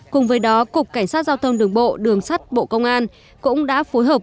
cùng với đó cục cảnh sát giao thông đường bộ đường sắt bộ công an cũng đã phối hợp